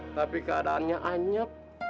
tapi keadaannya anyap